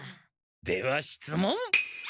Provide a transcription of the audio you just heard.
ではしつもん！